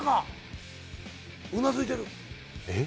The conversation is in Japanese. うなずいてるえっ？